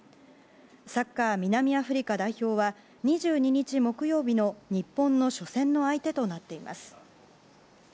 サッカー南アフリカ代表は２２日木曜日の日本の初戦の相手となっています。